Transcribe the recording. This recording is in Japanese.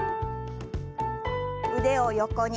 腕を横に。